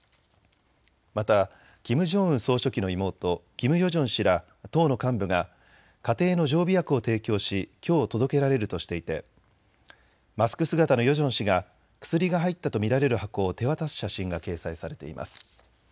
またキム・ジョンウン総書記の妹、キム・ヨジョン氏ら党の幹部が家庭の常備薬を提供しきょう届けられるとしていてマスク姿のヨジョン氏が薬が入ったと見られる箱を手渡す写真が掲載されています。